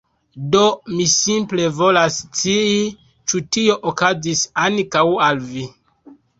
Do mi simple volas scii ĉu tio okazis ankaŭ al vi.